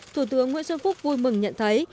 thủ tướng nguyễn xuân phúc vui mừng nhận thấy